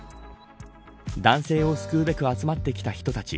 男性を救うべく集まってきた人たち。